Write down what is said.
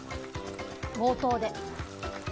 冒頭で。